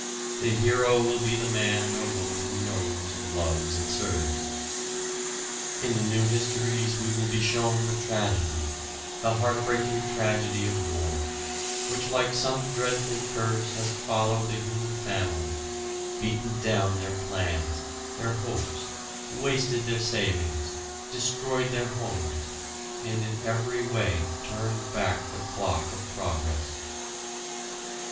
The hero will be the man or woman who knows and loves and serves. In the new histories we will be shown the tragedy, the heartbreaking tragedy of war, which like some dreadful curse has followed the human family, beaten down their plans, their hopes, wasted their savings, destroyed their homes, and in every way turned back the clock of progress.